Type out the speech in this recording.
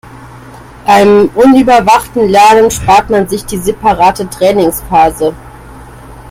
Beim unüberwachten Lernen spart man sich die separate Trainingsphase.